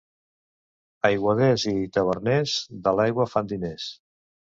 Aiguaders i taverners de l'aigua fan diners.